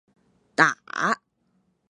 打